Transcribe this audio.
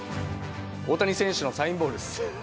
大谷選手のサインボールです。